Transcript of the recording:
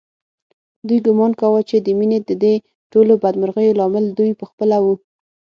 دوی ګومان کاوه چې د مينې ددې ټولو بدمرغیو لامل دوی په خپله و